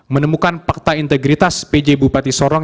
menemukan fakta integritas pj bupati sorong